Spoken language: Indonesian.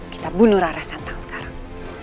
kita bunuh rara santang sekarang